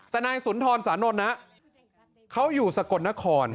แต่นายสุนทรสานนท์นะเขาอยู่สกลนคร